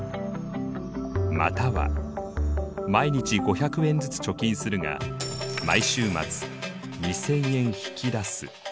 または毎日５００円ずつ貯金するが毎週末２０００円引き出す。